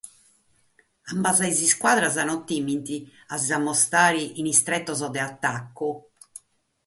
Ambas sas iscuadras non timent a si nch'ammustrare in sos tretos de atacu.